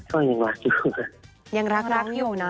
ก็ยังรักอยู่นะ